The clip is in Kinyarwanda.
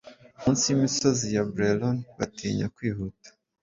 Munsi y'imisozi ya Bleron batinya kwihuta,